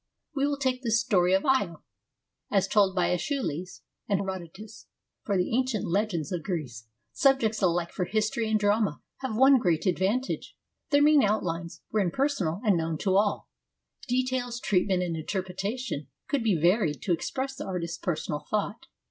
We will take the story of Io, as told by iEschylus and Herodotus, for the ancient legends of Greece, subjects alike for history and drama, have one great advantage : their main outlines were im personal and known to all ; details, treatment, and interpretation could be varied to express the artist's personal thought.